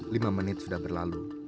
lima menit sudah berlalu